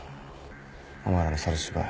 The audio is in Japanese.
お前らの猿芝居。